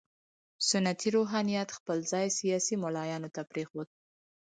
سنتي روحانیت خپل ځای سیاسي ملایانو ته پرېښود.